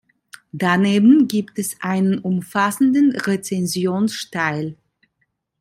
Daneben gibt es einen umfassenden Rezensionsteil.